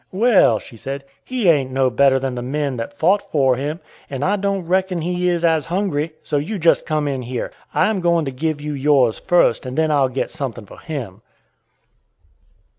"Well," she said, "he ain't no better than the men that fought for him, and I don't reckon he is as hungry; so you just come in here. I am going to give you yours first, and then I'll get something for him!"